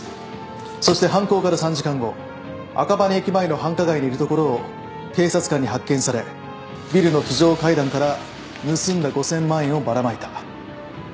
そして犯行から３時間後赤羽駅前の繁華街にいるところを警察官に発見されビルの非常階段から盗んだ５，０００万円をばらまいた。